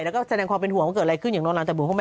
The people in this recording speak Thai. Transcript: แล้วก็แสดงความเป็นห่วงว่าเกิดอะไรขึ้นอยู่อย่างนู่นละ